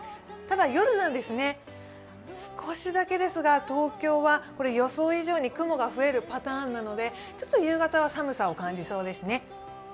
ただ、夜なんですね、少しだけですが、東京は予想以上に雲が増えるパターンなので、ちょっと夕方は寒さを感じそうですね。